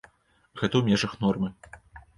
Гэта ў межах нормы.